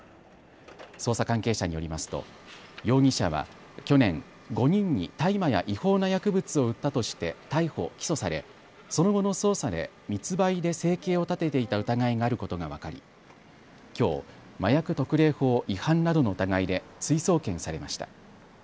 捜査関係者によりますと容疑者は去年、５人に大麻や違法な薬物を売ったとして逮捕・起訴されその後の捜査で密売で生計を立てていた疑いがあることが分かりきょう麻薬特例法違反などの疑いで追送検されました。